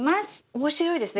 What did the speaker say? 面白いですね